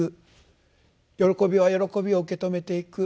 喜びは喜びを受け止めていく。